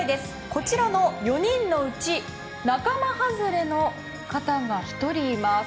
こちらの４人のうち仲間外れの方が１人います。